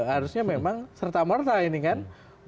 harusnya memang serta merta ini kan